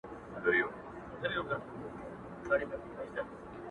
• کورنۍ يو بل ته نومونه غلط يادوي او فکري ګډوډي زياتيږي,